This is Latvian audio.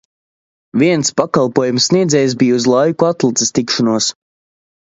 Viens pakalpojuma sniedzējs bija uz laiku atlicis tikšanos.